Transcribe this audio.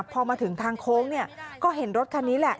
พอมาถึงทางโค้งเนี่ยก็เห็นรถคันนี้แหละ